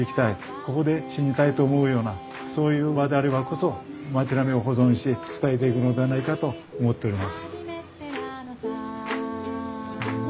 ここで死にたいと思うようなそういう場であればこそ町並みを保存し伝えていくのではないかと思っております。